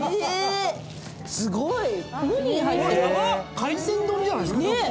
海鮮丼じゃないですか？